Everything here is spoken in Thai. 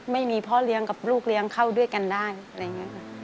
ไม่มีพ่อเลี้ยงกับลูกเลี้ยงเข้าด้วยกันได้อะไรอย่างนี้ค่ะ